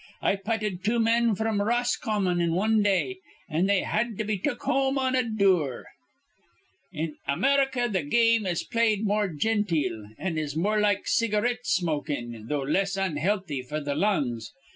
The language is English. I putted two men fr'm Roscommon in wan day, an' they had to be took home on a dure. "In America th' ga ame is played more ginteel, an' is more like cigareet smokin', though less unhealthy f'r th' lungs.